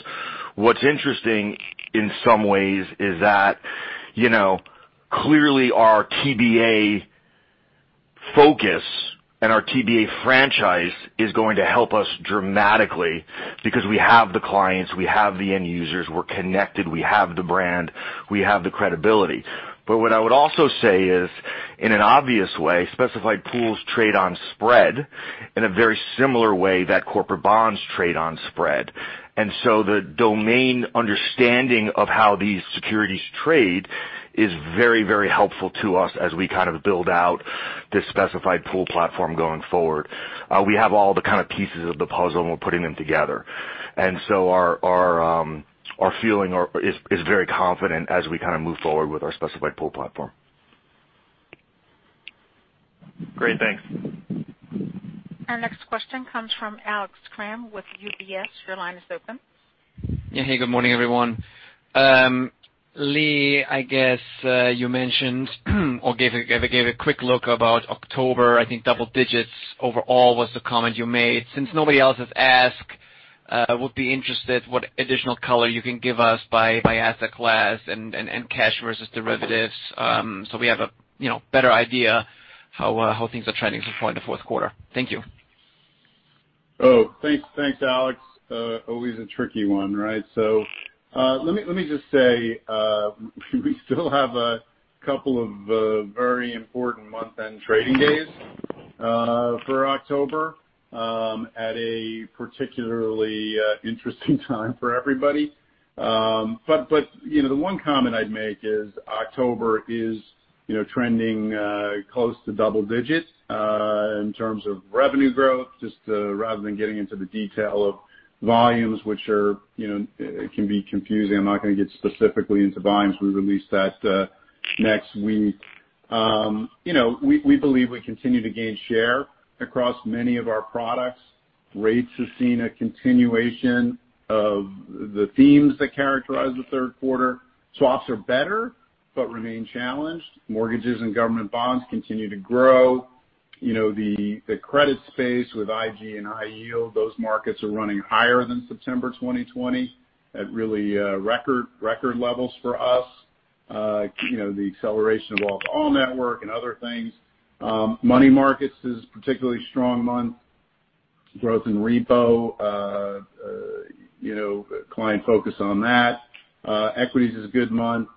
what's interesting, in some ways, is that clearly our TBA focus and our TBA franchise is going to help us dramatically because we have the clients, we have the end users, we're connected, we have the brand, we have the credibility. What I would also say is, in an obvious way, specified pools trade on spread in a very similar way that corporate bonds trade on spread. The domain understanding of how these securities trade is very helpful to us as we kind of build out this specified pool platform going forward. We have all the kind of pieces of the puzzle, and we're putting them together. Our feeling is very confident as we kind of move forward with our specified pool platform. Great. Thanks. Our next question comes from Alex Kramm with UBS. Your line is open. Yeah. Hey, good morning, everyone. Lee, I guess you mentioned or gave a quick look about October. I think double digits overall was the comment you made. Since nobody else has asked, I would be interested what additional color you can give us by asset class and cash versus derivatives, so we have a better idea how things are trending so far in the fourth quarter. Thank you. Thanks, Alex. Always a tricky one, right? Let me just say, we still have two very important month-end trading days for October at a particularly interesting time for everybody. The one comment I'd make is October is trending close to double-digits in terms of revenue growth, just rather than getting into the detail of volumes, which can be confusing. I'm not going to get specifically into volumes. We release that next week. We believe we continue to gain share across many of our products. Rates have seen a continuation of the themes that characterize the third quarter. Swaps are better but remain challenged. Mortgages and government bonds continue to grow. The credit space with IG and high yield, those markets are running higher than September 2020, at really record levels for us. The acceleration of all-to-all network and other things. Money markets is particularly strong month. Growth in repo, client focus on that. Equities is a good month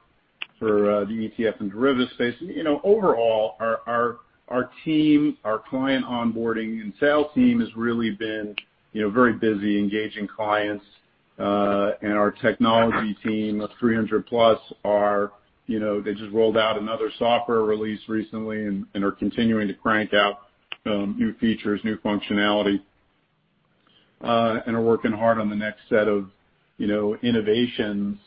for the ETF and derivative space. Overall, our team, our client onboarding and sales team, has really been very busy engaging clients. Our technology team of 300+, they just rolled out another software release recently and are continuing to crank out new features, new functionality, and are working hard on the next set of innovations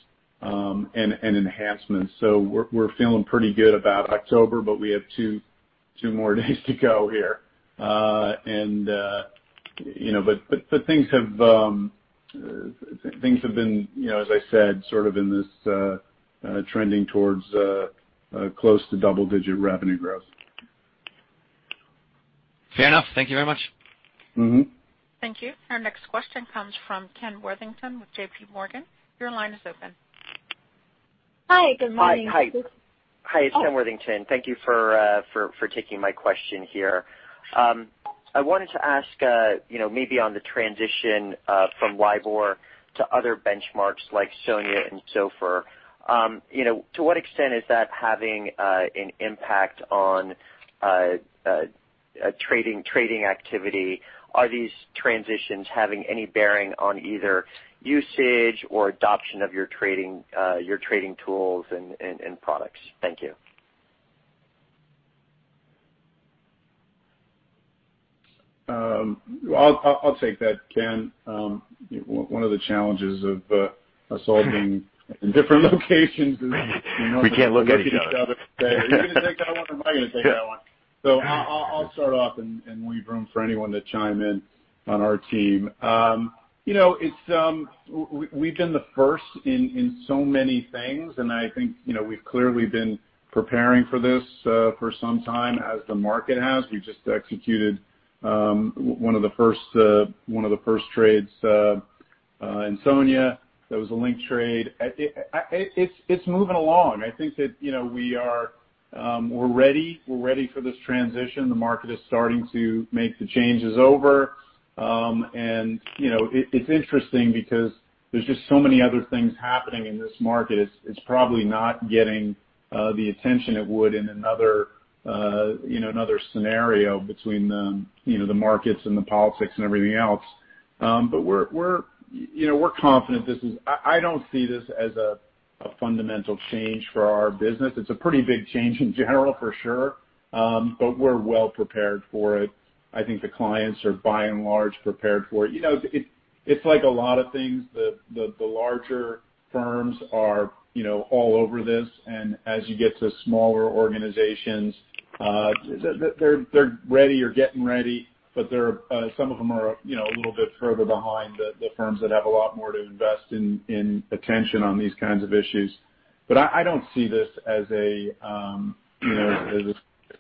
and enhancements. We're feeling pretty good about October, but we have two more days to go here. Things have been, as I said, sort of in this trending towards close to double-digit revenue growth. Fair enough. Thank you very much. Thank you. Our next question comes from Ken Worthington with JPMorgan. Your line is open. Hi, good morning. Hi. It's Ken Worthington. Thank you for taking my question here. I wanted to ask, maybe on the transition from LIBOR to other benchmarks like SONIA and SOFR. To what extent is that having an impact on trading activity? Are these transitions having any bearing on either usage or adoption of your trading tools and products? Thank you. I'll take that, Ken. One of the challenges of us all being in different locations is- We can't look at each other. Are you going to take that one or am I going to take that one? I'll start off and leave room for anyone to chime in on our team. We've been the first in so many things, and I think we've clearly been preparing for this for some time as the market has. We've just executed one of the first trades. SONIA, that was a linked trade. It's moving along. I think that we're ready for this transition. The market is starting to make the changes over. It's interesting because there's just so many other things happening in this market. It's probably not getting the attention it would in another scenario between the markets and the politics and everything else. We're confident. I don't see this as a fundamental change for our business. It's a pretty big change in general for sure. We're well prepared for it. I think the clients are by and large prepared for it. It's like a lot of things, the larger firms are all over this, and as you get to smaller organizations, they're ready or getting ready, but some of them are a little bit further behind the firms that have a lot more to invest in attention on these kinds of issues. I don't see this as a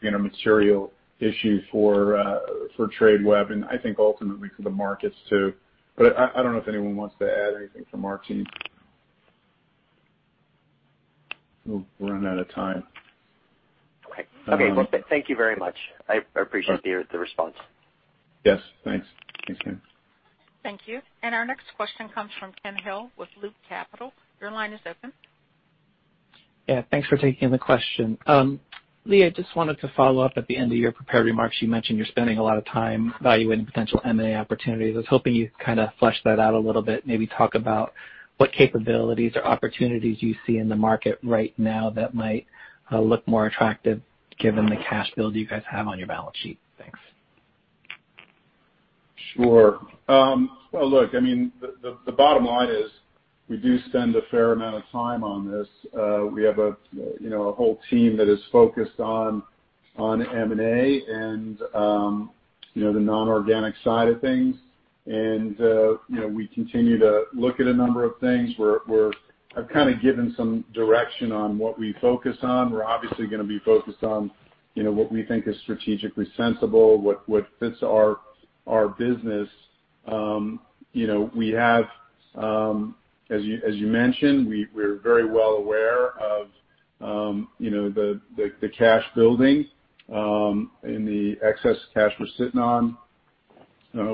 material issue for Tradeweb, and I think ultimately for the markets too. I don't know if anyone wants to add anything from our team. We'll run out of time. Okay. Well, thank you very much. I appreciate the response. Yes. Thanks. Thanks again. Thank you. Our next question comes from Ken Hill with Loop Capital. Your line is open. Yeah. Thanks for taking the question. Lee, I just wanted to follow up at the end of your prepared remarks, you mentioned you're spending a lot of time evaluating potential M&A opportunities. I was hoping you'd kind of flesh that out a little bit, maybe talk about what capabilities or opportunities you see in the market right now that might look more attractive given the cash build you guys have on your balance sheet. Thanks. Sure. Look, the bottom line is we do spend a fair amount of time on this. We have a whole team that is focused on M&A and the non-organic side of things. We continue to look at a number of things where I've kind of given some direction on what we focus on. We're obviously going to be focused on what we think is strategically sensible, what fits our business. You mentioned, we're very well aware of the cash building, and the excess cash we're sitting on.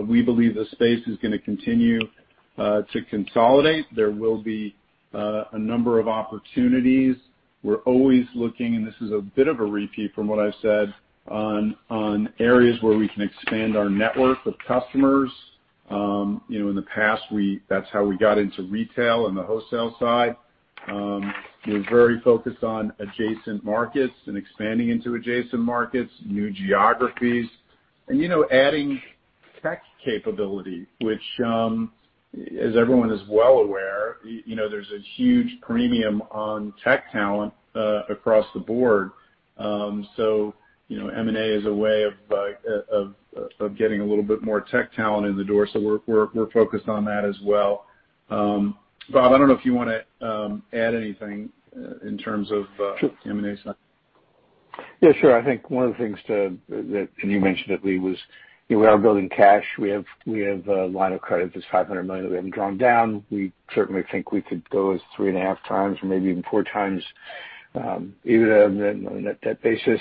We believe the space is going to continue to consolidate. There will be a number of opportunities. We're always looking, and this is a bit of a repeat from what I've said, on areas where we can expand our network of customers. In the past, that's how we got into retail and the wholesale side. We're very focused on adjacent markets and expanding into adjacent markets, new geographies, and adding tech capability, which, as everyone is well aware, there's a huge premium on tech talent across the board. M&A is a way of getting a little bit more tech talent in the door. We're focused on that as well. Bob, I don't know if you want to add anything in terms of- Sure M&A side. Yeah, sure. I think one of the things, and you mentioned it, Lee, was we are building cash. We have a line of credit that's $500 million that we haven't drawn down. We certainly think we could go as 3.5x Or maybe even 4x, even on a net debt basis.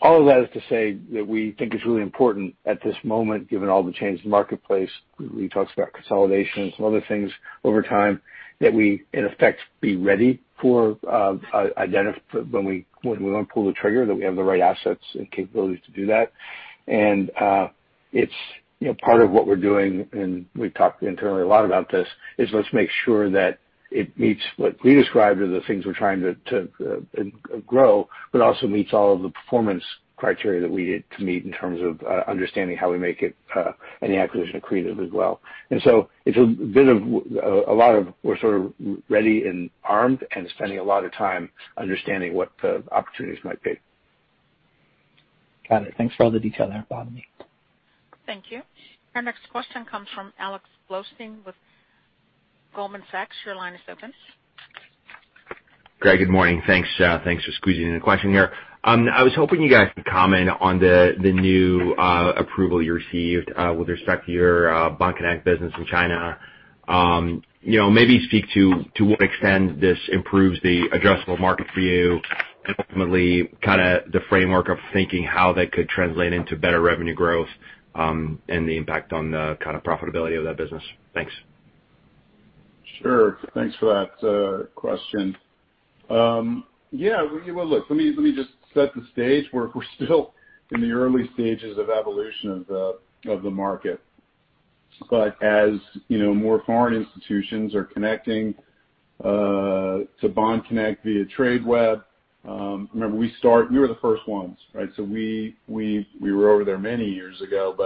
All of that is to say that we think it's really important at this moment, given all the changes in the marketplace, Lee talks about consolidation and some other things over time, that we in effect be ready for when we want to pull the trigger, that we have the right assets and capabilities to do that. Part of what we're doing, and we've talked internally a lot about this, is let's make sure that it meets what Lee described are the things we're trying to grow, but also meets all of the performance criteria that we need to meet in terms of understanding how we make it any acquisition accretive as well. It's a lot of we're sort of ready and armed and spending a lot of time understanding what the opportunities might be. Got it. Thanks for all the detail there, Bob and Lee. Thank you. Our next question comes from Alex Blostein with Goldman Sachs. Your line is open. Great, good morning. Thanks. Thanks for squeezing in a question here. I was hoping you guys could comment on the new approval you received with respect to your Bond Connect business in China. Maybe speak to what extent this improves the addressable market for you, and ultimately the framework of thinking how that could translate into better revenue growth, and the impact on the kind of profitability of that business. Thanks. Sure. Thanks for that question. Look, let me just set the stage. We're still in the early stages of evolution of the market. As more foreign institutions are connecting to Bond Connect via Tradeweb, remember we were the first ones, right? We were over there many years ago,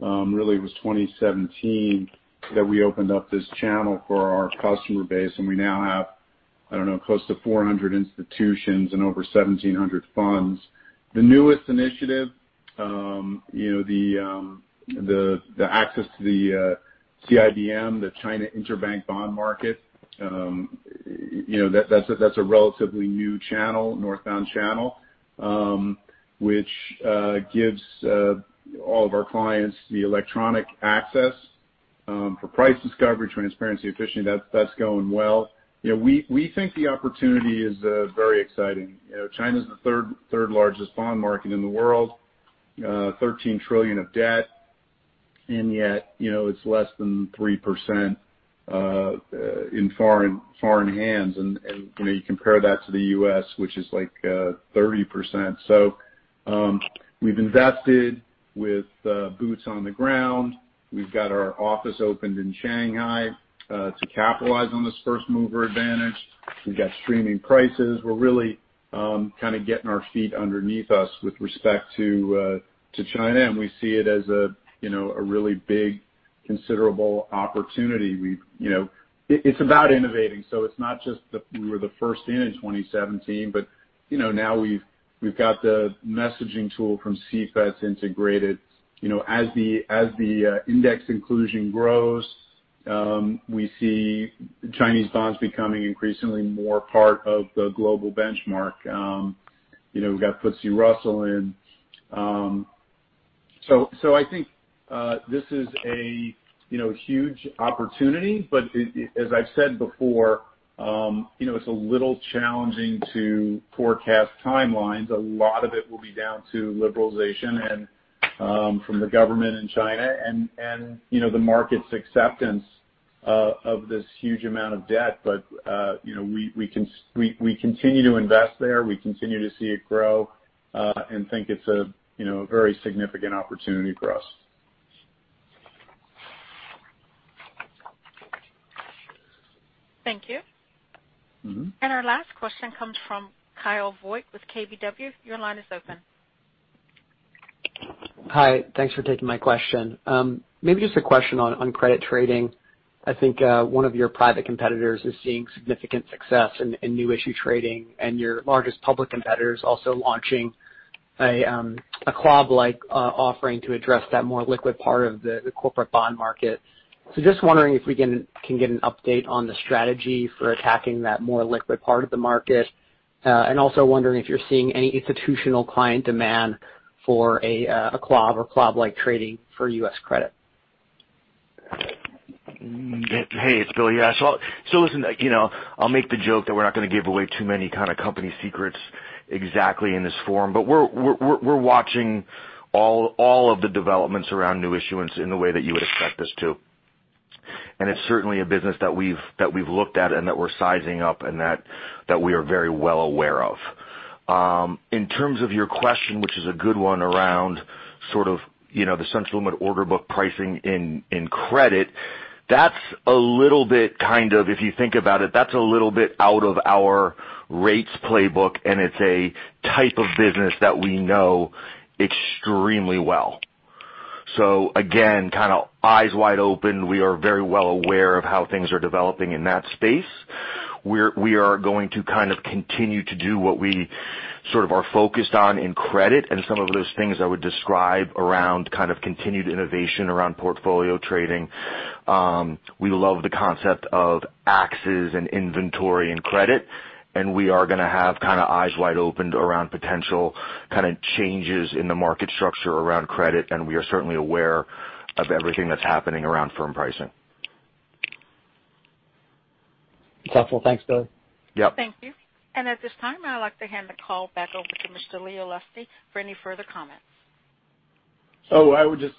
really it was 2017 that we opened up this channel for our customer base, we now have, I don't know, close to 400 institutions and over 1,700 funds. The newest initiative, the access to the CIBM, the China Interbank Bond Market, that's a relatively new northbound channel, which gives all of our clients the electronic access For price discovery, transparency, efficiency, that's going well. We think the opportunity is very exciting. China's the third-largest bond market in the world, $13 trillion of debt. Yet, it's less than 3% in foreign hands. You compare that to the U.S., which is like 30%. We've invested with boots on the ground. We've got our office opened in Shanghai to capitalize on this first-mover advantage. We've got streaming prices. We're really kind of getting our feet underneath us with respect to China, and we see it as a really big, considerable opportunity. It's about innovating, so it's not just that we were the first in in 2017, but now we've got the messaging tool from CFETS integrated. As the index inclusion grows, we see Chinese bonds becoming increasingly more part of the global benchmark. We've got FTSE Russell in. I think this is a huge opportunity, but as I've said before, it's a little challenging to forecast timelines. A lot of it will be down to liberalization and from the government in China and the market's acceptance of this huge amount of debt. We continue to invest there. We continue to see it grow, and think it's a very significant opportunity for us. Thank you. Our last question comes from Kyle Voigt with KBW. Your line is open. Hi. Thanks for taking my question. Maybe just a question on credit trading. I think one of your private competitors is seeing significant success in new issue trading, and your largest public competitor is also launching a CLOB-like offering to address that more liquid part of the corporate bond market. Just wondering if we can get an update on the strategy for attacking that more liquid part of the market. Also wondering if you're seeing any institutional client demand for a CLOB or CLOB-like trading for U.S. credit. Hey, it's Bill. Yeah. Listen, I'll make the joke that we're not going to give away too many kind of company secrets exactly in this forum. We're watching all of the developments around new issuance in the way that you would expect us to. It's certainly a business that we've looked at and that we're sizing up and that we are very well aware of. In terms of your question, which is a good one, around sort of the central limit order book pricing in credit, that's a little bit kind of, if you think about it, that's a little bit out of our rates playbook, and it's a type of business that we know extremely well. Again, kind of eyes wide open. We are very well aware of how things are developing in that space. We are going to kind of continue to do what we sort of are focused on in credit and some of those things I would describe around kind of continued innovation around portfolio trading. We love the concept of axes and inventory and credit, and we are going to have kind of eyes wide opened around potential kind of changes in the market structure around credit, and we are certainly aware of everything that's happening around firm pricing. That's helpful. Thanks, Bill. Yep. Thank you. At this time, I'd like to hand the call back over to Mr. Lee Olesky for any further comments. I would just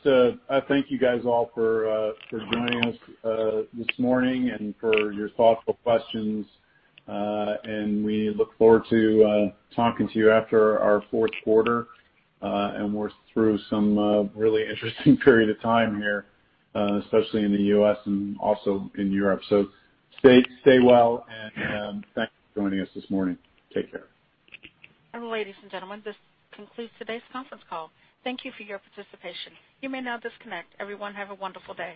thank you guys all for joining us this morning and for your thoughtful questions. We look forward to talking to you after our fourth quarter. We're through some really interesting period of time here, especially in the U.S. and also in Europe. Stay well, and thanks for joining us this morning. Take care. Ladies and gentlemen, this concludes today's conference call. Thank you for your participation. You may now disconnect. Everyone, have a wonderful day.